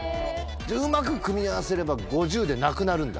じゃあうまく組み合わせれば５０でなくなるんだ？